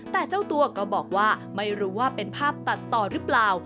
แต่เจ้าตัวก็บอกว่าไม่รู้ว่าเป็นภาพตัดต่อหรือเปล่า